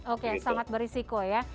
oke sangat berisiko ya